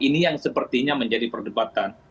ini yang sepertinya menjadi perdebatan